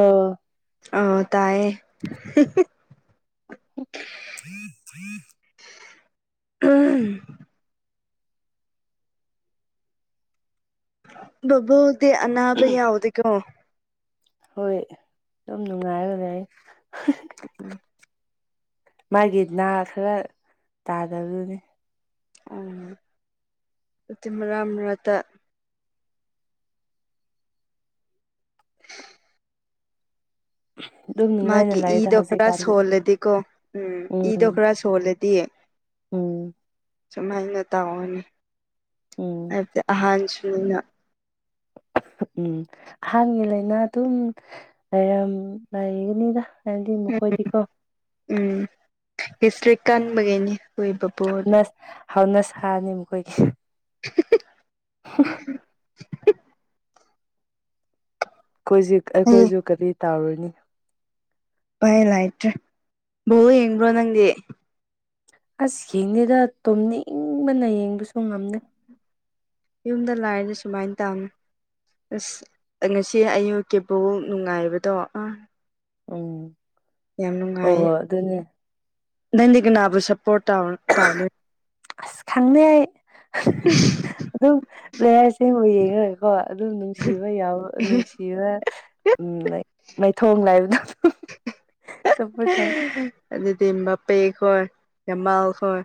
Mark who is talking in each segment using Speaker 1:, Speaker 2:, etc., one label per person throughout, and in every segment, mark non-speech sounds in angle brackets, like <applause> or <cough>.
Speaker 1: ꯑꯣ
Speaker 2: ꯑꯣ ꯇꯥꯏꯌꯦ ꯍꯤꯍꯤ
Speaker 1: <unintelligible>
Speaker 2: ꯑꯍꯝ ꯕꯣꯕꯣꯛꯇꯤ ꯑꯅꯥꯕ ꯌꯥꯎꯗꯦꯀꯣ
Speaker 1: ꯍꯣꯏ ꯗꯨꯝ ꯅꯨꯡꯉꯥꯏꯔꯒ ꯂꯩ ꯃꯥꯒꯤ ꯅꯥ ꯈꯔ ꯇꯥꯗꯕꯗꯨꯅꯤ
Speaker 2: ꯑꯣ ꯑꯗꯨ ꯃꯔꯛ ꯃꯔꯛꯇ
Speaker 1: ꯑꯗꯨꯝ ꯅꯨꯡꯉꯥꯏꯅ
Speaker 2: ꯃꯥꯒꯤ
Speaker 1: ꯂꯩꯗ
Speaker 2: ꯏꯗꯣ ꯈꯔ
Speaker 1: ꯍꯧꯖꯤꯛꯀꯥꯟꯗꯤ
Speaker 2: ꯁꯣꯜꯂꯗꯤꯀꯣ ꯎꯝ ꯏꯗꯣ ꯈꯔ ꯁꯣꯜꯂꯗꯤ
Speaker 1: ꯎꯝ
Speaker 2: ꯁꯨꯃꯥꯏꯅ ꯇꯧꯔꯅꯤ
Speaker 1: ꯎꯝ
Speaker 2: ꯍꯥꯏꯕꯗꯤ ꯑꯍꯥꯟꯁꯨꯅꯤꯅ
Speaker 1: ꯎꯝ ꯑꯍꯥꯡꯥꯟꯒꯤ ꯂꯩꯅꯥꯗꯨꯝ ꯂꯩꯔꯝ ꯂꯩꯒꯅꯤꯗ ꯍꯥꯢꯗꯤ ꯃꯈꯣꯏꯗꯤꯀꯣ
Speaker 2: ꯎꯝ ꯍꯤꯁꯇ꯭ꯔꯤꯛ ꯀꯟꯕꯒꯤꯅꯤ ꯀꯣꯢ ꯄꯨꯄꯨꯗꯨ
Speaker 1: ꯍꯥꯎꯅ ꯁꯥꯅꯦ ꯃꯈꯣꯏꯒꯤ
Speaker 2: ꯍꯝꯍꯝꯍꯝ ꯍꯝꯍꯝ
Speaker 1: ꯑꯩꯈꯣꯏꯖꯤ
Speaker 2: ꯑꯩ
Speaker 1: ꯑꯩꯈꯣꯏꯖꯨ ꯀꯔꯤ ꯇꯥꯎꯔꯅꯤ
Speaker 2: ꯄꯥꯏꯂꯩꯇ꯭ꯔꯦ ꯕꯣꯜ ꯌꯦꯡꯕ꯭ꯔꯣ ꯅꯪꯗꯤ
Speaker 1: ꯑꯁ ꯌꯦꯡꯗꯦꯗ ꯇꯨꯝꯅꯤꯡꯕꯅ ꯌꯦꯡꯕꯁꯨ ꯉꯝꯗꯦ
Speaker 2: ꯌꯨꯝꯗ ꯂꯥꯏꯔꯗꯤ ꯁꯨꯃꯥꯏꯅ ꯇꯝ ꯑꯁ ꯉꯁꯤ ꯑꯌꯨꯛꯀꯤ ꯕꯣꯜ ꯅꯨꯡꯉꯥꯏꯕꯗꯣ ꯑ
Speaker 1: ꯎꯝ
Speaker 2: ꯌꯥꯝ
Speaker 1: ꯑꯣ
Speaker 2: ꯅꯨꯡꯉꯥꯏꯌꯦ
Speaker 1: ꯑꯗꯨꯅꯦ
Speaker 2: ꯅꯪꯗꯤ ꯀꯅꯥꯕꯨ ꯁꯞꯄꯣꯔꯠ ꯇꯥꯎ ꯇꯧꯗꯣꯏ
Speaker 1: ꯑꯁ ꯈꯪꯗꯦ ꯑꯩ ꯍꯥ ꯑꯗꯨꯝ ꯄ꯭ꯂꯦꯌꯥꯔꯁꯤꯡꯕꯨ ꯌꯦꯡꯔꯒꯀꯣ ꯑꯗꯨꯝ ꯅꯨꯡꯁꯤꯕ ꯌꯥꯎꯕ ꯅꯨꯡꯁꯤꯕ ꯂꯥꯏꯛ ꯃꯥꯏꯊꯣꯡ ꯂꯩꯕꯗꯨ
Speaker 2: ꯍꯝꯍꯝ ꯍꯥꯍꯥ ꯑꯗꯨꯗꯤ ꯃꯥꯞ ꯄꯦ ꯀꯣꯏ ꯌꯥꯝꯃꯜ ꯀꯣꯏ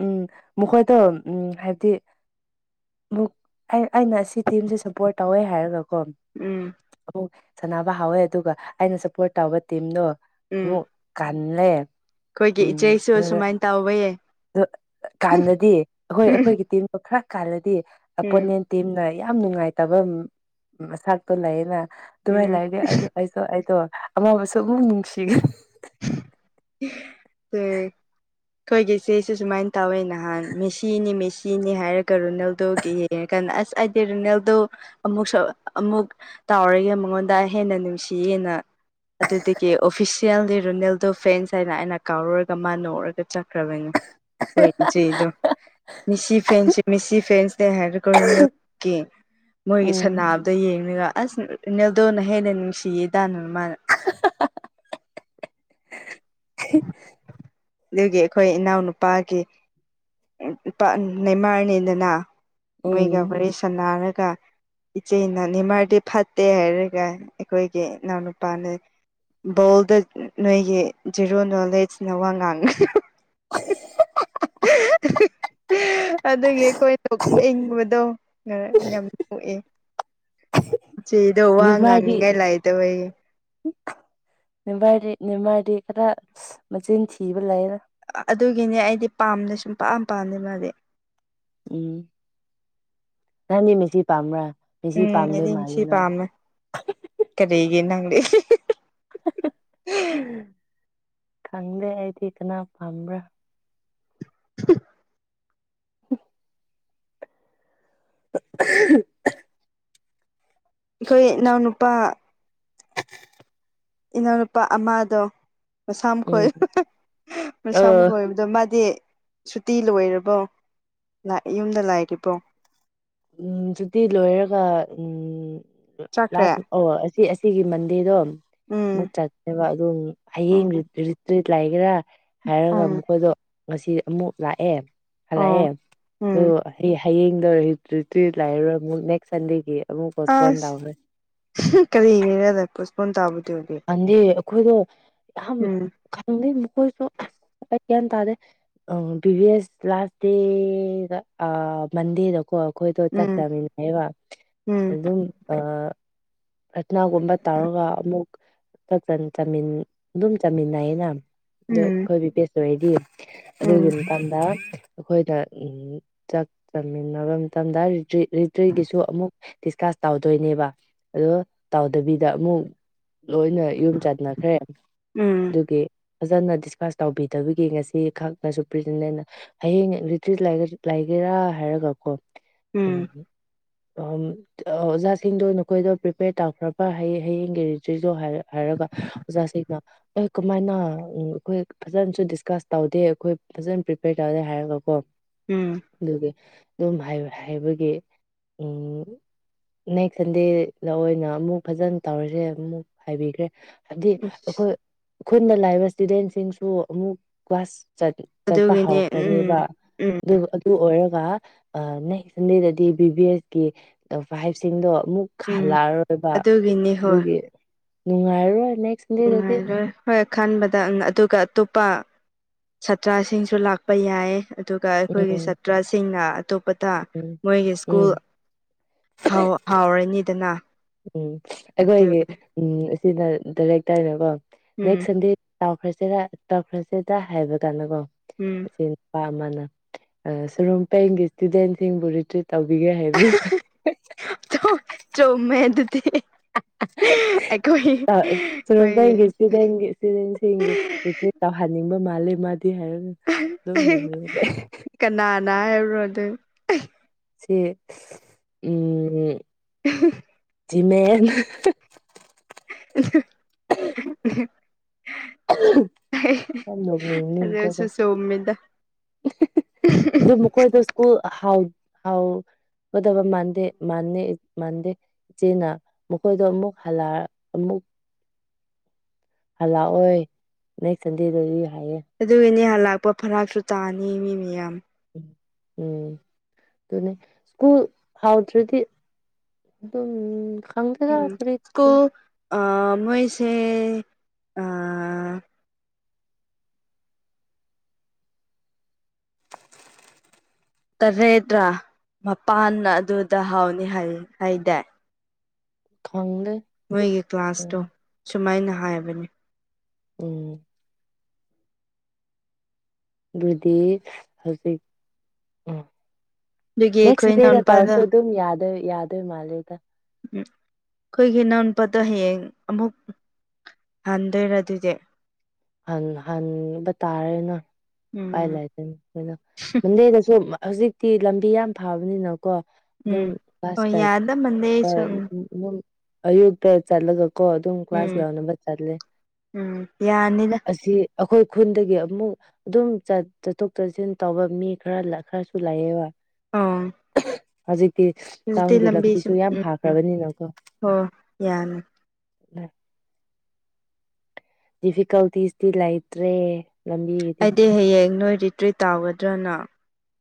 Speaker 1: ꯎꯝ ꯃꯈꯣꯏꯗꯣ ꯎꯝ ꯍꯥꯏꯕꯗꯤ ꯑꯃꯨꯛ ꯑꯩ ꯑꯩꯅ ꯁꯤ ꯇꯤꯝꯁꯦ ꯁꯞꯄꯣꯔꯠ ꯇꯧꯋꯦ ꯍꯥꯏꯔꯒ ꯀꯣ
Speaker 2: ꯎꯝ
Speaker 1: ꯑꯃꯨꯛ ꯁꯥꯟꯅꯕ ꯍꯧꯋꯦ ꯑꯗꯨꯒ ꯑꯩꯅ ꯁꯞꯄꯣꯔꯠ ꯇꯧꯕ ꯇꯤꯝꯗꯣ
Speaker 2: ꯎꯝ
Speaker 1: ꯑꯃꯨꯛ ꯀꯥꯟꯂꯦ
Speaker 2: ꯑꯩꯈꯣꯏꯒꯤ ꯏꯆꯦꯁꯨ ꯁꯨꯃꯥꯏꯅ ꯇꯧꯋꯦ
Speaker 1: ꯑꯗꯨ ꯀꯥꯟꯗꯗꯤ ꯑꯩꯈꯣꯏ
Speaker 2: ꯎꯝ
Speaker 1: ꯑꯩꯈꯣꯏꯒꯤ ꯇꯤꯝꯗꯣ ꯈꯔ ꯀꯥꯟꯂꯗꯤ ꯑꯄꯣꯅꯦꯟ ꯇꯤꯝꯅ ꯌꯥꯝ ꯅꯨꯡꯉꯥꯏꯇꯕ ꯃꯁꯛꯇꯣ ꯂꯩꯌꯦꯅ
Speaker 2: ꯎꯝ
Speaker 1: ꯑꯗꯨꯃꯥꯏꯅ ꯂꯩꯔꯗꯤ ꯑꯩꯁꯨ ꯑꯩꯗꯣ ꯑꯃꯨꯛꯀꯁꯨ ꯑꯃꯨꯛ ꯅꯨꯡꯁꯤꯒꯅꯤ
Speaker 2: ꯍꯤ ꯑꯦ ꯑꯩꯈꯣꯏꯒꯤ ꯢꯆꯦꯁꯨ ꯁꯨꯃꯥꯏꯅ ꯇꯧꯋꯦ ꯅꯍꯥꯟ ꯃꯦꯁꯤꯅꯤ ꯃꯦꯁꯤ ꯁꯤꯅꯤ ꯍꯥꯏꯔꯒ ꯔꯣꯅꯥꯜꯗꯣꯒꯤ ꯌꯦꯡꯉꯀꯥꯟꯗ ꯑꯁ ꯑꯩꯗꯤ ꯔꯣꯅꯥꯜꯗꯣ ꯑꯃꯨꯛꯁꯨ ꯑꯃꯨꯛ ꯇꯥꯎꯔꯒꯦ ꯃꯉꯣꯟꯗ ꯍꯦꯟꯅ ꯅꯨꯡꯁꯤꯌꯦꯅ ꯑꯗꯨꯗꯒꯤ ꯑꯣꯐꯤꯁꯦꯜꯂꯤ ꯔꯣꯅꯥꯜꯗꯣ ꯐꯦꯟꯁ ꯍꯥꯏꯅ ꯑꯩꯅ ꯀꯧꯔꯒ ꯃꯥ ꯅꯣꯛꯔꯒ ꯆꯠꯈ꯭ꯔꯕꯅꯦ ꯍꯣꯏ ꯏꯆꯦꯗꯣ ꯃꯤꯁꯤ ꯐꯦꯟꯁ ꯃꯤꯁꯤ ꯐꯦꯟꯁꯅꯦ ꯍꯥꯏꯔꯒ ꯔꯣꯅꯥꯜꯒꯤ ꯃꯣꯏꯒꯤ
Speaker 1: ꯎꯝ
Speaker 2: ꯁꯅꯕꯗ ꯌꯦꯡꯔꯒ ꯑꯁ ꯔꯣꯅꯥꯜꯗꯣꯅ ꯍꯦꯟꯅ ꯅꯨꯡꯁꯤꯌꯦꯗꯅ ꯃꯥꯅ
Speaker 1: ꯑꯍꯦ
Speaker 2: ꯑꯗꯨꯒꯤ ꯑꯩꯈꯣꯏ ꯏꯅꯥꯎꯅꯨꯄꯥꯒꯤ ꯑꯦ ꯅꯨꯄꯥ ꯅꯦꯃꯥꯔꯅꯦꯗꯅ ꯃꯣꯏꯒ
Speaker 1: ꯎꯝ
Speaker 2: ꯋꯥꯔꯤ ꯁꯥꯟꯅꯔꯒ ꯏꯆꯦꯅ ꯅꯦꯃꯥꯔꯗꯤ ꯐꯠꯇꯦ ꯍꯥꯏꯔꯒ ꯑꯩꯈꯣꯏꯒꯤ ꯏꯅꯥꯎꯅꯨꯄꯥꯅ ꯕꯣꯜꯗ ꯅꯣꯏꯒꯤ ꯖꯦꯔꯣ ꯅꯣꯂꯦꯖꯅ ꯋꯥ ꯉꯥꯡꯒꯅꯨ
Speaker 1: ꯍꯥꯍꯥꯍꯥꯍꯥꯍꯥ
Speaker 2: ꯑ ꯑꯗꯨꯒꯤ ꯑꯩꯈꯣꯏ ꯏꯪꯕꯗꯣ ꯉꯔꯥꯡ ꯌꯥꯝ ꯅꯣꯛꯑꯦ ꯆꯦꯗꯣ ꯋꯥ ꯉꯥꯡꯅꯤꯡꯉꯥꯏ ꯂꯩꯇꯕꯒꯤ
Speaker 1: ꯅꯕꯥꯥꯏꯗꯤ ꯅꯦꯝꯃꯥꯏꯗꯤ ꯈꯔ ꯃꯆꯤꯟ ꯊꯤꯕ ꯂꯩꯔꯦ
Speaker 2: ꯑꯗꯨꯒꯤꯅꯦ ꯑꯩꯗꯤ ꯄꯥꯝꯅ ꯁꯨꯝ ꯄꯥꯝ ꯄꯥꯝꯗꯦ ꯃꯥꯗꯤ
Speaker 1: ꯎꯝ ꯅꯪꯗꯤ ꯃꯦꯁꯤ ꯄꯥꯝꯕ꯭ꯔꯥ ꯃꯦꯁꯤ
Speaker 2: ꯎꯝ
Speaker 1: ꯄꯥꯝꯗꯣꯏ
Speaker 2: ꯑꯩꯗꯤ
Speaker 1: ꯃꯥꯜꯂꯦ
Speaker 2: ꯃꯦꯁꯤ
Speaker 1: ꯅꯪ
Speaker 2: ꯄꯥꯝꯃꯦ ꯀꯔꯤꯒꯤ ꯅꯪꯗꯤ
Speaker 1: ꯈꯪꯗꯦ ꯑꯩꯗꯤ ꯀꯅꯥ ꯄꯥꯝꯕ꯭ꯔꯥ
Speaker 2: ꯍ
Speaker 1: ꯍ ꯑ ꯍ ꯍ
Speaker 2: ꯑꯩꯈꯣꯏ ꯏꯅꯥꯎ ꯅꯨꯨꯄꯥ ꯏꯅꯥꯎꯅꯨꯄꯥ ꯑꯃꯗꯣ ꯃꯁꯝ ꯈꯣꯏ
Speaker 1: ꯎꯝ
Speaker 2: ꯃꯁꯝ
Speaker 1: ꯑꯥ
Speaker 2: ꯈꯣꯏꯕꯗꯣ ꯃꯥꯗꯤ ꯁꯨꯇꯤ ꯂꯣꯏꯔꯕꯣ ꯂꯥꯛꯏ ꯌꯨꯝꯗ ꯂꯥꯏꯔꯤꯕꯣ
Speaker 1: ꯎꯝ ꯗꯌꯨꯇꯤ ꯂꯣꯏꯔꯒ ꯎꯝ
Speaker 2: ꯆꯠꯈ꯭ꯔꯦ
Speaker 1: ꯂꯥꯁ ꯑꯣ ꯁꯤ ꯑꯁꯤꯒꯤ ꯃꯟꯗꯦꯗꯣ ꯑꯃꯨꯛ
Speaker 2: ꯎꯝ
Speaker 1: ꯆꯠꯅꯦꯕ ꯑꯗꯨ ꯍꯌꯦꯡ
Speaker 2: ꯎꯝ
Speaker 1: ꯔꯤꯇ꯭ꯔꯤꯠ ꯂꯩꯒꯦꯔꯥ ꯍꯥꯏꯔꯒ
Speaker 2: ꯎꯝ
Speaker 1: ꯃꯈꯣꯏꯗꯣ ꯉꯁꯤ ꯑꯃꯨꯛ ꯂꯥꯛꯑꯦ ꯍꯜꯂꯛꯑꯦ
Speaker 2: ꯑꯣ
Speaker 1: ꯑꯗꯨ
Speaker 2: ꯎꯝ
Speaker 1: ꯍꯌꯦꯡꯗꯣ ꯔꯤꯇ꯭ꯔꯤꯠ ꯂꯩꯔꯔꯣꯏ ꯑꯃꯨꯛ ꯅꯦꯛꯁ ꯁꯟꯗꯦꯒꯤ ꯑꯃꯨꯛ ꯄꯣꯁꯄꯣꯟ
Speaker 2: ꯑꯁ
Speaker 1: ꯇꯧꯈ꯭ꯔꯦ
Speaker 2: ꯀꯔꯤꯒꯤꯔꯗ ꯄꯣꯁꯄꯣꯟ ꯇꯧꯕꯗꯨꯗꯤ
Speaker 1: ꯈꯣꯏꯗꯣ ꯌꯥꯝ ꯈꯪꯗꯩ ꯃꯈꯣꯏꯁꯨ ꯑꯁ ꯒ꯭ꯌꯥꯟ ꯇꯥꯗꯦ ꯑꯥ ꯄ꯭ꯔꯤꯚꯤꯌꯁ ꯂꯥꯁ ꯗꯦ ꯗ ꯑꯥ ꯃꯟꯗꯦꯗꯀꯣ ꯑꯩꯈꯣꯏꯗꯣ ꯆꯥꯛ
Speaker 2: ꯎꯝ
Speaker 1: ꯆꯥꯃꯤꯟꯅꯩꯕ
Speaker 2: ꯎꯝ
Speaker 1: ꯑꯗꯨꯝ ꯑꯥ ꯔꯠꯅꯥꯒꯨꯝꯕ ꯇꯧꯔꯒ ꯑꯃꯨꯛ ꯆꯥꯛ ꯆꯥꯃꯤꯟ ꯑꯗꯨꯝ ꯆꯥꯃꯤꯟꯅꯩꯌꯦꯅ ꯗꯣ
Speaker 2: ꯎꯝ
Speaker 1: ꯑꯩꯈꯣꯏ ꯕꯤ ꯕꯤ ꯑꯦꯁ ꯂꯣꯢꯔꯗꯤ ꯑꯗꯨꯒꯤ
Speaker 2: ꯎꯝ
Speaker 1: ꯃꯇꯝꯗ ꯑꯩꯈꯣꯏꯅ ꯎꯝ ꯆꯥꯛ ꯆꯥꯃꯤꯟꯅꯕ ꯃꯇꯝꯗ ꯔꯤꯇ꯭ꯔꯤꯠ ꯔꯤꯇ꯭ꯔꯤꯒꯤꯁꯨ ꯑꯃꯨꯛꯀ ꯗꯤꯁ ꯇꯧꯗꯣꯏꯅꯦꯕ ꯑꯗꯣ ꯇꯧꯗꯕꯤꯗ ꯑꯃꯨꯛ ꯂꯣꯏꯅ ꯌꯨꯝ ꯆꯠꯅꯈ꯭ꯔꯦ
Speaker 2: ꯎꯝ
Speaker 1: ꯑꯗꯨꯒꯤ ꯐꯖꯅ ꯗꯤꯁꯀꯥꯁ ꯇꯧꯕꯤꯗꯕꯒꯤ ꯉꯁꯤ ꯈꯛꯅ ꯁꯨꯄ꯭ꯔꯤꯇꯦꯟꯗꯦꯟꯅ ꯍꯌꯦꯡ ꯔꯤꯇ꯭ꯔꯤꯠ ꯂꯩ ꯂꯩꯒ ꯍꯦꯔꯥ ꯍꯥꯏꯔꯒ ꯀꯣ ꯎꯝ ꯑꯝ ꯑꯥ ꯑꯣꯖꯥꯁꯤꯡꯗ ꯑꯣꯏꯅ ꯑꯩꯈꯣꯏꯗꯣ ꯄ꯭ꯔꯤꯄꯦꯌꯔ ꯇꯧꯈ꯭ꯔꯕ ꯍꯌꯦꯡ ꯍꯌꯦꯡꯒꯤ ꯔꯤꯇ꯭ꯔꯤꯗꯣ ꯍꯥꯏꯔ ꯍꯥꯏꯔꯒ ꯍꯦꯢꯔꯒ ꯑꯣꯖꯥꯁꯤꯡꯅ ꯑꯦ ꯀꯃꯥꯏꯅ ꯎ ꯑꯩꯈꯣꯏ ꯐꯖꯅꯁꯨ ꯗꯤꯁꯀꯁ ꯇꯧꯗꯦ ꯑꯩꯈꯣꯏ ꯐꯖꯅ ꯄ꯭ꯔꯤꯄꯦꯌꯔ ꯇꯧꯗꯦ ꯍꯥꯏꯔꯒꯀꯣ
Speaker 2: ꯎꯝ
Speaker 1: ꯑꯗꯨꯒꯤ ꯑꯗꯨꯝ ꯍꯥꯏ ꯍꯥꯏꯕꯒꯤ ꯎꯝ ꯅꯦꯛꯁ ꯁꯟꯗꯦꯗ ꯑꯣꯏꯅ ꯑꯃꯨꯛ ꯐꯖꯅ ꯇꯧꯔꯁꯦ ꯑꯃꯨꯛ ꯍꯥꯏꯕꯤꯈ꯭ꯔꯦ ꯍꯥꯏꯕꯗꯤ ꯑꯩꯈꯣꯏ ꯈꯨꯟꯗ ꯂꯩꯕ ꯏꯁꯇꯨꯗꯦꯟꯁꯤꯡꯁꯨ ꯑꯃꯨꯛ ꯀ꯭ꯂꯥꯁ ꯍꯠ ꯆꯠꯄ
Speaker 2: ꯑꯗꯨꯒꯤꯅꯦ ꯎꯝ
Speaker 1: ꯍꯧꯈ꯭ꯔꯅꯤꯕ
Speaker 2: ꯎꯝ
Speaker 1: ꯑꯗꯨ ꯑꯗꯨ ꯑꯣꯏꯔꯒ ꯒ ꯑꯥ ꯅꯦꯛꯁ ꯁꯟꯗꯦꯗꯗꯤ ꯕꯤ ꯕꯤ ꯑꯦꯁ ꯀꯤ <unintelligible> ꯍꯥꯏꯁꯤꯡꯗꯣ ꯑꯃꯨꯛ
Speaker 2: ꯎꯝ
Speaker 1: ꯍꯜꯂꯛꯑꯔꯣꯏꯕ
Speaker 2: ꯑꯗꯨꯒꯤꯅꯤ
Speaker 1: ꯑꯗꯨꯒꯤ ꯅꯨꯡꯉꯥꯏꯔꯣꯏ
Speaker 2: ꯅꯨꯡꯉꯥꯏꯔꯣꯢ ꯍꯣꯏ ꯈꯟꯕꯗ ꯑꯗꯨꯒ ꯑꯇꯣꯞꯄ ꯁꯥꯇ꯭ꯔꯁꯤꯡꯁꯨ ꯂꯥꯛꯄ ꯌꯥꯏ ꯑꯗꯨꯒ
Speaker 1: ꯎꯝ
Speaker 2: ꯑꯩꯈꯣꯏꯒꯤ ꯁꯥꯇ꯭ꯔꯁꯤꯡꯅ ꯑꯇꯣꯞꯄꯗ
Speaker 1: ꯎꯝ
Speaker 2: ꯃꯣꯏꯒꯤ
Speaker 1: ꯎꯝ
Speaker 2: ꯁ꯭ꯀꯨꯜ ꯐꯥꯎ ꯐꯥꯎꯔꯅꯤꯗꯅ
Speaker 1: ꯎꯝ ꯑꯩꯈꯣꯏꯒꯤ ꯎꯝ ꯁꯤꯗ ꯗꯥꯢꯔꯦꯛꯇꯔꯗ ꯀꯣ ꯅꯦꯛꯁ
Speaker 2: ꯎꯝ
Speaker 1: ꯁꯟꯗꯦ ꯇꯧꯈ꯭ꯔꯁꯤꯔ ꯇꯧꯈ꯭ꯔꯁꯤꯗ ꯍꯥꯏꯕ ꯀꯥꯟꯗꯀꯣ
Speaker 2: ꯎꯝ
Speaker 1: ꯑꯁꯤ ꯅꯨꯄꯥ ꯑꯃꯅ ꯁꯨꯔꯨꯝꯄꯦꯡꯒꯤ ꯏꯁꯇꯨꯗꯦꯟꯁꯤꯡꯕꯨ ꯔꯤꯇ꯭ꯔꯤꯠ ꯇꯧꯕꯤꯒꯦ ꯍꯥꯏꯕꯅꯦ
Speaker 2: ꯍꯤꯍꯤ
Speaker 1: ꯍꯩ ꯍꯦ <unintelligible> ꯏꯁꯇꯨꯗꯦꯟ ꯏꯁꯇꯨꯗꯦꯟꯁꯤꯡꯒꯤ ꯔꯤꯇ꯭ꯔꯤꯠ ꯇꯧꯍꯟꯅꯤꯡꯕ ꯃꯥ
Speaker 2: ꯑꯍ ꯑꯍ ꯍꯦ ꯍꯦ
Speaker 1: ꯅꯣꯛꯅꯤꯡꯕ
Speaker 2: ꯀꯅꯥꯅ ꯍꯥꯏꯔꯨꯔꯗꯤ ꯑꯍꯤ
Speaker 1: ꯁꯤ ꯎꯝ
Speaker 2: ꯎꯍꯨ
Speaker 1: ꯖꯤꯃꯦꯟ
Speaker 2: ꯑꯗꯨ ꯎꯍꯨꯝ
Speaker 1: <unintelligible> ꯑ ꯍꯦ ꯍꯦ
Speaker 2: ꯑꯗꯨꯁꯨ ꯆꯨꯝꯃꯤꯗ
Speaker 1: ꯑꯗꯨ ꯃꯈꯣꯏꯗꯣ ꯁ꯭ꯀꯨꯜ ꯍꯧ ꯍꯧ ꯒꯗꯕ ꯃꯥꯟꯗꯦ ꯃꯥꯟꯅꯦ ꯃꯥꯥꯟꯗꯦ ꯆꯦꯅ ꯃꯈꯣꯏꯗꯣ ꯑꯃꯨꯛ ꯍꯥꯜꯂ ꯑꯃꯨꯛ ꯍꯜꯂꯥꯛꯑꯣꯏ ꯅꯛꯁ ꯁꯟꯗꯦꯗꯗꯤ ꯍꯥꯏꯌꯦ
Speaker 2: ꯑꯗꯨꯒꯤꯅꯦ ꯍꯜꯂꯥꯛꯄ ꯐꯔꯥꯛꯁꯨ ꯇꯥꯅꯤ ꯃꯤ ꯃꯌꯥꯝ
Speaker 1: ꯎꯝ ꯑꯗꯨꯅꯦ ꯁ꯭ꯀꯨꯜ ꯐꯥꯎꯗ꯭ꯔꯗꯤ ꯑꯗꯨꯅꯤꯅꯦ ꯈꯪꯗꯦꯗ
Speaker 2: ꯎꯝ
Speaker 1: ꯀꯔꯤ
Speaker 2: ꯁ꯭ꯀꯨꯜ ꯑꯥ ꯃꯣꯏꯁꯦ ꯑꯥ ꯇꯔꯦꯠꯇ꯭ꯔꯥ ꯃꯄꯥꯟ ꯑꯗꯨꯗ ꯍꯥꯎꯅꯤ ꯍꯥꯏ ꯍꯥꯏꯗꯥꯏ
Speaker 1: ꯈꯪꯗꯦ
Speaker 2: ꯃꯣꯏꯒꯤ ꯀ꯭ꯂꯥꯁꯇꯣ ꯁꯨꯃꯥꯏꯅ ꯍꯥꯏꯕꯅꯦ
Speaker 1: ꯎꯝ ꯑꯗꯨꯗꯤ ꯍꯧꯖꯤꯛ ꯎꯝ
Speaker 2: ꯑꯗꯨꯒꯤ
Speaker 1: ꯅꯦꯛꯁ
Speaker 2: ꯑꯩꯈꯣꯏ
Speaker 1: ꯗꯦꯗ ꯇꯧꯔꯁꯨ
Speaker 2: ꯏꯅꯥꯎꯅꯨꯄꯥꯗꯣ ꯎꯝ
Speaker 1: ꯑꯗꯨꯝ ꯌꯥꯗꯣꯏ ꯌꯥꯗꯣꯏ ꯃꯥꯂꯦꯗ
Speaker 2: ꯎꯝ ꯑꯩꯈꯣꯏꯒꯤ ꯏꯅꯥꯎ ꯅꯨꯄꯥꯗ ꯍꯌꯦꯡ ꯑꯃꯨꯛ ꯍꯟꯗꯣꯏꯔ ꯑꯗꯨꯗꯤ
Speaker 1: ꯍꯟ ꯍꯟꯕ ꯇꯥꯔꯦꯅ ꯄꯥꯏ
Speaker 2: ꯎꯝ
Speaker 1: ꯂꯩꯗꯅ ꯀꯩꯅꯣ ꯃꯟꯗꯦꯗꯁꯨ ꯍꯧꯖꯤꯛꯇꯤ ꯂꯝꯕꯤ ꯌꯥꯝ ꯐꯕꯅꯦꯅ ꯀꯣ
Speaker 2: ꯎꯝ
Speaker 1: ꯑꯗꯨꯝ
Speaker 2: ꯍꯣꯏ
Speaker 1: ꯚꯥꯁ
Speaker 2: ꯌꯥꯗ ꯃꯥꯟꯂꯦ
Speaker 1: ꯇ
Speaker 2: ꯑꯩꯁꯨ ꯎꯝ
Speaker 1: ꯑꯌꯨꯛꯇ ꯆꯠꯂꯒ ꯀꯣ ꯑꯗꯨꯝ
Speaker 2: ꯎꯝ
Speaker 1: ꯀ꯭ꯂꯥꯁ ꯌꯥꯎꯅꯕ ꯇꯜꯂꯦ
Speaker 2: ꯉꯟꯅꯤꯗ
Speaker 1: ꯑꯩꯈꯣꯏ ꯈꯨꯟꯗꯒꯤ ꯑꯃꯨꯛ ꯑꯗꯨꯝ ꯆꯠꯊꯣꯛ ꯆꯠꯁꯤꯟ ꯇꯧꯕ ꯃꯤ ꯈꯔ ꯈꯔꯁꯨ ꯂꯩꯑꯦꯕ
Speaker 2: ꯑꯥ
Speaker 1: ꯍꯧꯖꯤꯛꯇꯤ
Speaker 2: ꯍꯧꯖꯤꯛꯇꯤ
Speaker 1: ꯇꯥꯎꯟꯒꯤ ꯂꯝꯕꯤꯁꯨ ꯌꯥꯝ
Speaker 2: ꯎꯝ ꯎꯝ
Speaker 1: ꯐꯈ꯭ꯔꯕꯅꯤꯅꯀꯣ
Speaker 2: ꯍꯣ ꯌꯥꯅꯤ
Speaker 1: ꯑ ꯗꯤꯐꯤꯀꯜꯇꯤꯁꯇꯤ ꯂꯩꯇ꯭ꯔꯦ ꯂꯝꯕꯤꯒꯤꯗꯤ
Speaker 2: ꯑꯩꯗꯤ ꯍꯌꯦꯡ ꯅꯣꯏ ꯔꯤꯇ꯭ꯔꯤꯠ ꯇꯧꯒꯗ꯭ꯔꯅ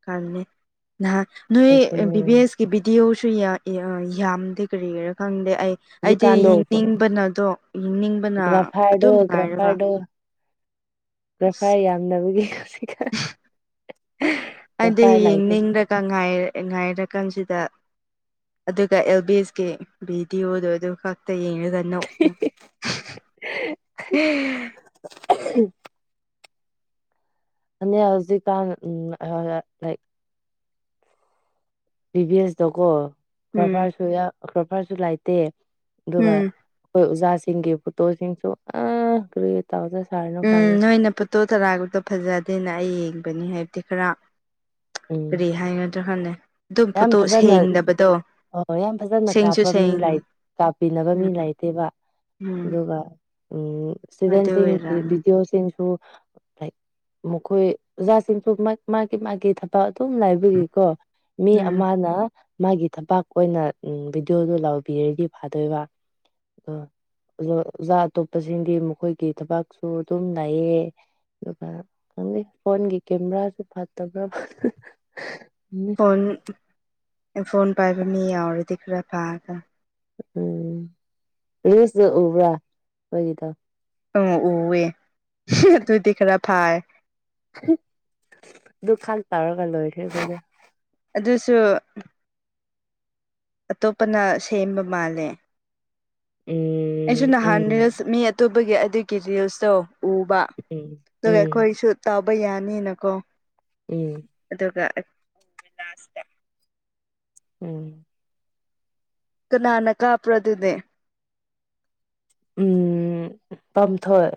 Speaker 2: ꯈꯅꯤ ꯅꯍꯥꯟ ꯅꯣꯏ
Speaker 1: ꯀꯩꯁꯨꯅꯦ
Speaker 2: ꯕꯤ ꯕꯤ ꯑꯦꯁ ꯀ ꯚꯤꯗꯤꯑꯣꯁꯨ ꯌꯥꯝꯗꯦ ꯀꯔꯤ ꯒꯤꯔꯥ ꯈꯪꯗꯦ ꯑꯩ ꯑꯩꯗꯤ
Speaker 1: ꯍꯧꯖꯤꯛꯀꯥꯟꯗꯣ
Speaker 2: ꯌꯦꯡꯅꯤꯡꯕꯅꯗꯣ ꯌꯦꯡꯅꯤꯡꯕꯅ
Speaker 1: ꯒ꯭ꯔꯥꯐꯥꯏꯔꯗꯣ
Speaker 2: ꯑꯗꯨꯝ ꯉꯥꯏꯔꯒ
Speaker 1: ꯂꯐꯥꯏ ꯌꯥꯝꯗꯕꯒꯤ ꯍꯧꯖꯤꯛ
Speaker 2: ꯑꯩꯗꯤ
Speaker 1: ꯂꯩꯇꯦ
Speaker 2: ꯌꯦꯡꯅꯤꯡꯗꯒ ꯉꯥꯏꯔꯀꯥꯟꯁꯤꯗ ꯑꯗꯨꯒ ꯑꯦꯜꯕꯤꯁꯀꯤ ꯚꯤꯗꯤꯑꯣꯗꯣ ꯑꯗꯨ ꯈꯛꯇ ꯌꯦꯡꯉ ꯗꯅꯥꯎ ꯍꯥꯍꯥꯍꯥ
Speaker 1: ꯑꯍꯝ ꯍꯧꯖꯤꯛ ꯀꯥꯟ ꯎꯝ ꯑ ꯂꯥꯛꯏ ꯕꯤ ꯚꯦꯁꯇꯣꯀꯣ
Speaker 2: ꯎꯝ
Speaker 1: ꯀ꯭ꯔꯐꯔꯁꯨ ꯀ꯭ꯔꯐꯔꯁꯨ ꯂꯩꯥꯏꯇꯦ ꯑꯗꯨꯒ
Speaker 2: ꯎꯝ
Speaker 1: ꯑꯩꯈꯣꯏ ꯑꯣꯖꯥꯁꯤꯡꯒꯤ ꯄꯨꯇꯣꯁꯤꯡꯁꯨ ꯑ ꯇꯧꯗ ꯁꯥꯔꯤꯅꯣ
Speaker 2: ꯎꯝ
Speaker 1: ꯈꯪꯗꯦ
Speaker 2: ꯅꯣꯏꯅ ꯄꯣꯇꯣ ꯇꯔꯥꯛꯄꯇꯣ ꯐꯖꯗꯦꯅ ꯑꯩ ꯌꯦꯡꯕꯅꯤ ꯍꯥꯏꯕꯗꯤ ꯈꯔ
Speaker 1: ꯎꯝ
Speaker 2: ꯀꯔꯤꯍꯥꯏꯒꯗ꯭ꯔꯥ ꯈꯪꯗꯦ ꯑꯗꯨꯝ
Speaker 1: ꯌꯥꯝ
Speaker 2: ꯄꯣꯠꯇꯣ
Speaker 1: ꯐꯖꯅ
Speaker 2: ꯁꯦꯡꯗꯕꯗꯣ ꯁꯦꯡꯁꯨ ꯁꯦꯡ
Speaker 1: ꯇꯥꯛꯞꯄꯤꯅꯕ ꯃꯤ
Speaker 2: ꯎꯝ
Speaker 1: ꯂꯩꯇꯦꯕ
Speaker 2: ꯎꯝ
Speaker 1: ꯑꯗꯨꯒ ꯎꯝ
Speaker 2: ꯑꯗꯨ
Speaker 1: ꯏꯁꯇꯨꯗꯦꯟꯁꯤꯡ
Speaker 2: ꯑꯣꯏꯔꯝꯅꯤ
Speaker 1: ꯚꯤꯗꯤꯑꯣꯁꯤꯡꯁꯨ ꯂꯥꯏꯛ ꯃꯈꯣꯏ ꯑꯣꯖꯥꯁꯤꯡꯁꯨ ꯃꯥꯒꯤ ꯃꯥꯒꯤ ꯊꯕꯛ ꯑꯗꯨꯝ ꯂꯩꯕꯒꯤꯀꯣ ꯃꯤ
Speaker 2: ꯎꯝ
Speaker 1: ꯑꯃꯅ ꯃꯥꯒꯤ ꯊꯕꯥꯛ ꯑꯣꯏꯅ ꯚꯤꯗꯤꯑꯣꯗꯨ ꯂꯥꯎꯕꯤꯔꯗꯤ ꯐꯥꯗꯣꯏꯕ ꯑ ꯑꯣꯖꯥ ꯑꯇꯣꯞꯄꯁꯤꯡꯗꯤ ꯃꯈꯣꯏꯒꯤ ꯊꯕꯛꯁꯨ ꯑꯗꯨꯝ ꯂꯩꯌꯦ ꯑꯗꯨꯒ ꯈꯪꯗꯦ ꯐꯣꯟꯒꯤ ꯀꯦꯃꯦꯔꯥꯗꯨ ꯐꯠꯇꯕ꯭ꯔꯥ ꯈꯪꯗꯦ
Speaker 2: ꯐꯣꯟ ꯑꯥꯏ ꯐꯣꯟ ꯄꯥꯏꯕ ꯃꯤ ꯌꯥꯎꯔꯗꯤ ꯈꯔ ꯐꯗ꯭ꯔꯥ
Speaker 1: ꯎꯝ ꯔꯤꯁꯇ ꯎꯕ꯭ꯔꯥ ꯑꯩꯈꯣꯏꯒꯤꯗ
Speaker 2: ꯎ ꯎꯑꯦ ꯑꯗꯨꯗꯤ ꯈꯔ ꯐꯥꯏ
Speaker 1: ꯗꯨ ꯈꯛ ꯇꯧꯔꯒ ꯂꯣꯏꯈ꯭ꯔꯦ ꯈꯣꯏꯗꯤ
Speaker 2: ꯑꯗꯨꯁꯨ ꯑꯇꯣꯞꯄꯅ ꯁꯦꯝꯕ ꯃꯥꯜꯂꯦ ꯑꯩꯁꯨ
Speaker 1: ꯎꯝ
Speaker 2: ꯅꯍꯥꯟ
Speaker 1: ꯎꯝ
Speaker 2: ꯔꯤꯜꯁ ꯃꯤ ꯑꯇꯣꯞꯄꯒꯤ ꯑꯗꯨꯒꯤ ꯔꯤꯜꯁꯇꯣ ꯎꯕ
Speaker 1: ꯎꯝ
Speaker 2: ꯑꯗꯨꯒ
Speaker 1: ꯎꯝ
Speaker 2: ꯑꯩꯈꯣꯏꯁꯨ ꯇꯥꯕ ꯌꯥꯅꯤꯅꯀꯣ
Speaker 1: ꯎꯝ
Speaker 2: ꯑꯗꯨꯒ <unintelligible>
Speaker 1: ꯎꯝ
Speaker 2: ꯀꯅꯥꯅ ꯀꯥꯞꯄ꯭ꯔꯥꯗꯨꯗꯤ
Speaker 1: ꯎꯝ ꯄꯝꯊꯣꯏ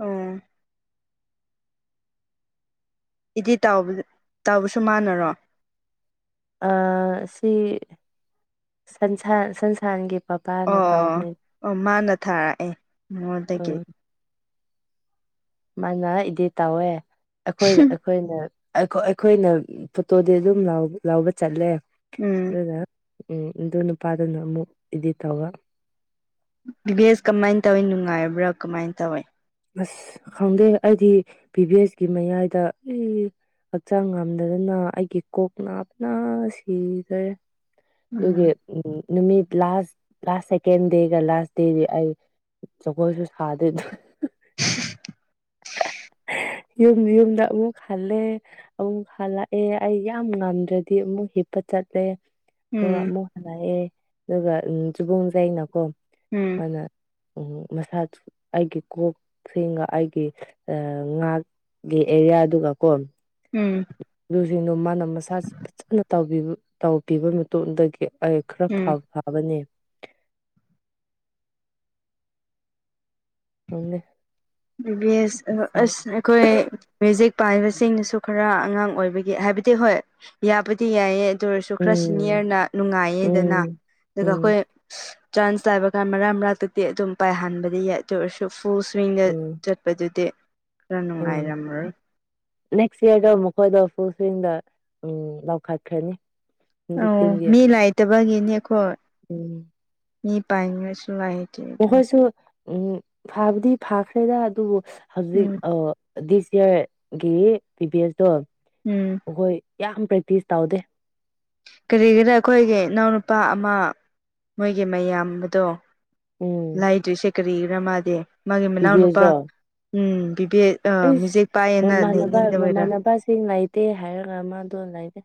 Speaker 2: ꯑ ꯏꯗꯤꯠ ꯇꯧꯕꯁꯨ ꯃꯥꯟꯅꯔꯣ
Speaker 1: ꯑ ꯁꯤ ꯁꯟꯁꯥ ꯁꯟꯁꯥꯟꯒꯤ
Speaker 2: ꯑꯣ
Speaker 1: ꯃꯕꯥꯅ
Speaker 2: ꯑꯣ
Speaker 1: ꯇꯥꯎꯕꯅꯦ
Speaker 2: ꯑꯣ ꯃꯥꯅ ꯊꯥꯔꯛꯑꯦ ꯃꯉꯣꯟꯗꯒꯤ
Speaker 1: ꯃꯥꯅ ꯏꯗꯤꯠ ꯇꯧꯋꯦ ꯑꯩꯈꯣꯏꯅ ꯑꯩꯈꯣꯏꯅ ꯑꯈꯣꯢ ꯑꯈꯣꯏꯅ ꯐꯣꯇꯣꯗꯤ ꯑꯗꯨꯝ ꯂꯧꯕ ꯆꯠꯂꯦ
Speaker 2: ꯎꯝ
Speaker 1: ꯑꯗꯨꯅ ꯎꯝ ꯑꯗꯨ ꯅꯨꯄꯥꯗꯨꯅ ꯑꯃꯨꯛ ꯏꯗꯤꯠ ꯇꯧꯒ
Speaker 2: ꯕꯤꯚꯦꯁ ꯀꯃꯥꯏꯅ ꯇꯧꯏꯤ ꯅꯨꯡꯉꯥꯏꯕ꯭ꯔꯥ ꯀꯃꯥꯏꯅ ꯇꯧꯏ
Speaker 1: ꯑꯁ ꯈꯪꯗꯦ ꯑꯩꯗꯤ ꯄꯤ ꯚꯤ ꯑꯦꯁꯀꯤ ꯃꯌꯥꯏꯗ ꯍꯛꯆꯥꯡ ꯉꯝꯗꯗꯅ ꯑꯩꯒꯤ ꯀꯣꯛ ꯅꯥꯕꯅ ꯁꯤꯖꯔꯦ
Speaker 2: ꯎꯝ
Speaker 1: ꯑꯗꯨꯒꯤ ꯎ ꯅꯨꯃꯤꯠ ꯂꯥꯁ ꯂꯥꯁ ꯁꯦꯀꯦꯟ ꯗꯦꯒ ꯂꯥꯁ ꯗꯦꯗꯤ ꯑꯩ ꯖꯒꯣꯏꯁꯨ ꯁꯥꯗꯦ ꯑꯗꯨ ꯍ ꯌꯨꯝ ꯌꯨꯝꯗ ꯑꯃꯨꯛ ꯍꯜꯂꯦ ꯑꯃꯨꯛ ꯍꯜꯂꯛꯑꯦ ꯑꯩ ꯌꯥꯝ ꯉꯝꯗ꯭ꯔꯗꯤ ꯑꯃꯨꯛ ꯏꯄꯥ ꯆꯠꯂꯦ ꯑꯗꯨꯒ
Speaker 2: ꯎꯝ
Speaker 1: ꯑꯃꯨꯛ ꯍꯜꯂꯛꯑꯦ ꯑꯗꯨꯒ ꯆꯨꯕꯣꯡꯁꯩꯅꯀꯣ
Speaker 2: ꯎꯝ
Speaker 1: ꯃꯥꯅ ꯎꯝ ꯃꯁꯥ ꯑꯩꯒꯤ ꯀꯣꯛꯁꯤꯡꯒ ꯑꯩꯒꯤ ꯉꯥꯥꯛꯒꯤ ꯑꯦꯔꯤꯌꯥꯗꯨꯒ ꯀꯣ
Speaker 2: ꯎꯝ
Speaker 1: ꯑꯗꯨꯨꯁꯤꯡꯗꯣ ꯃꯥꯅ ꯃꯁꯥ ꯐꯖꯅ ꯇꯧꯕꯕ ꯇꯧꯕꯤꯕ ꯃꯇꯨꯡꯗꯒꯤ ꯑꯩ ꯈꯔ
Speaker 2: ꯎꯝ
Speaker 1: ꯐꯕ ꯐꯕꯅꯦ ꯎꯝ ꯅꯦ
Speaker 2: ꯕꯤꯕꯤ ꯑꯦꯁ ꯑꯁ ꯑꯩꯈꯣꯏ ꯃꯌꯨꯖꯤꯛ ꯄꯥꯏꯕꯁꯤꯡꯅꯁꯨ ꯈꯔ ꯑꯉꯥꯡ ꯑꯣꯏꯕꯒꯤ ꯍꯥꯏꯕꯗꯤ ꯍꯣꯏ ꯌꯥꯕꯨꯗꯤ ꯌꯥꯏꯌꯦ ꯑꯗꯨꯇ ꯑꯣꯏꯔꯁꯨ ꯈꯔ
Speaker 1: ꯎꯝ
Speaker 2: ꯁꯤꯅꯤꯌꯔꯅ ꯅꯨꯡꯉꯥꯏꯌꯦꯗꯅ
Speaker 1: ꯎꯝ
Speaker 2: ꯑꯗꯨꯒ
Speaker 1: ꯎꯝ
Speaker 2: ꯑꯩꯈꯣꯏ ꯆꯥꯟꯁ ꯂꯥꯏꯕ ꯀꯥꯟ ꯃꯔꯛ ꯃꯔꯛꯇꯛꯇꯤ ꯑꯗꯨꯝ ꯄꯥꯏꯍꯟꯕꯗꯤ ꯌꯥꯏ ꯑꯗꯨ ꯑꯣꯏꯔꯁꯨ ꯐꯨꯜ ꯁ꯭ꯋꯤꯡꯗ
Speaker 1: ꯎꯝ
Speaker 2: ꯆꯠꯄꯗꯨꯗꯤ ꯈꯔ
Speaker 1: ꯎꯝ
Speaker 2: ꯅꯨꯡꯉꯥꯏꯔꯝꯃꯔꯣꯏ
Speaker 1: ꯅꯦꯛꯁ ꯌꯦꯔꯗ ꯃꯈꯣꯏꯗ ꯐꯨꯋꯗ ꯎ ꯂꯥꯎꯈꯠꯈ꯭ꯔꯅꯤ
Speaker 2: ꯑꯣ ꯃꯤ ꯂꯥꯏꯇꯕꯒꯤꯅꯦꯈꯣ
Speaker 1: ꯎꯝ
Speaker 2: ꯃꯤ ꯄꯥꯏꯅꯨ ꯁꯨ ꯍꯥꯏ
Speaker 1: ꯃꯈꯣꯏꯁꯨ ꯎ ꯐꯥꯕꯨꯗꯤ ꯐꯥꯈ꯭ꯔꯦꯗ ꯑꯗꯨꯕꯨ ꯍꯧꯖꯤꯛ
Speaker 2: ꯎꯝ
Speaker 1: ꯑ ꯗꯤꯁ ꯏꯌꯥꯔꯒꯤ ꯄꯤꯚꯤ ꯑꯦꯁꯇꯣ
Speaker 2: ꯎꯝ
Speaker 1: ꯑꯩꯈꯣꯏ ꯌꯥꯝ ꯄꯔꯛꯇꯤꯁ ꯇꯧꯗꯦ
Speaker 2: ꯀꯔꯤꯒꯤꯔ ꯑꯩꯈꯣꯏꯒꯤ ꯏꯅꯥꯎꯅꯨꯄꯥ ꯑꯃ ꯃꯣꯏꯒꯤ ꯃꯌꯥꯝꯗꯣ
Speaker 1: ꯎꯝ
Speaker 2: ꯂꯥꯏꯗ꯭ꯔꯤꯁꯦ ꯀꯔꯤꯒꯤꯔ ꯃꯥꯗꯤ ꯃꯥꯒꯤ ꯃꯅꯥꯎꯅꯨꯄꯥ ꯎꯝ ꯕꯤꯕꯦꯛ ꯑ
Speaker 1: ꯏꯁ
Speaker 2: ꯃꯤꯖꯤꯛ ꯄꯥꯏꯌꯦꯅ
Speaker 1: ꯃꯃꯥꯟꯅꯕ
Speaker 2: ꯂꯩꯅꯤꯡꯗꯕꯩꯔꯥ
Speaker 1: ꯃꯃꯥꯟꯅꯕꯁꯤꯡ ꯂꯩꯇꯦ ꯍꯥꯏꯔꯒ ꯃꯥꯗꯣ ꯂꯩꯔꯦ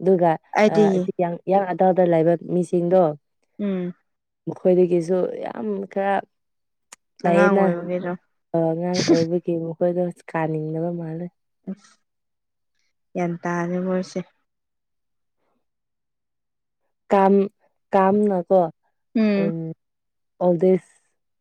Speaker 1: ꯑꯗꯨꯒ
Speaker 2: ꯑꯩꯗꯤ
Speaker 1: ꯏꯌꯥꯡ ꯑꯗꯥꯋꯥꯏꯗ ꯂꯩꯕ ꯃꯤꯁꯤꯡꯗꯣ
Speaker 2: ꯎꯝ
Speaker 1: ꯃꯈꯣꯏꯗꯒꯤꯁꯨ ꯌꯥꯝ ꯈꯔ
Speaker 2: ꯑꯉꯥꯡ
Speaker 1: ꯂꯩꯌꯦꯅ
Speaker 2: ꯑꯣꯏꯕꯒꯤꯔꯣ
Speaker 1: ꯑꯉꯥꯡ ꯑꯣꯏꯕꯒꯤ ꯃꯈꯣꯏꯗꯣ ꯀꯥꯅꯤꯡꯗꯕ ꯃꯥꯜꯂꯦ
Speaker 2: ꯑ ꯒꯌ꯭ꯥꯟ ꯇꯔꯦꯕꯣ ꯑꯩꯁꯦ ꯎꯝ
Speaker 1: <unintelligible>